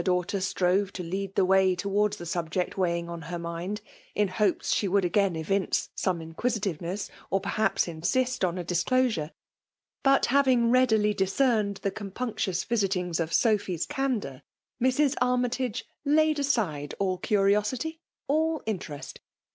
flaaght^r strove to lead the way towards the subject weighing on her mind« in Bopes she would agtfin evince some inquisitive ness, or perhaps inSst on a disclosiura But having readily discerned the compunctious visitings of Sophy's candour, Mrs. ArmytagQ laid aside all curiosity — all interest.